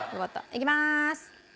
いきまーす！